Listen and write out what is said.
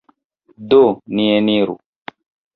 Do, ni eniru!